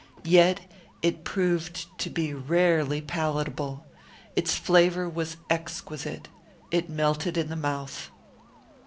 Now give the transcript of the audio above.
Yet it proved to be rarely palatable. It's flavour was exquisite. It melted in the mouth.